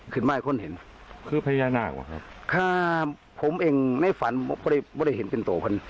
ถึงไม่ให้คนเห็นคือพญานาควะครับค่ะผมเองในฝันไม่ได้เห็นเป็นตัวคน